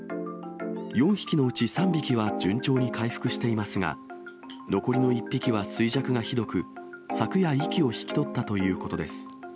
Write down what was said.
４匹のうち３匹は順調に回復していますが、残りの１匹は衰弱がひどく、昨夜、息を引き取ったということです。